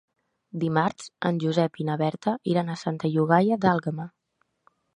Dimarts en Josep i na Berta iran a Santa Llogaia d'Àlguema.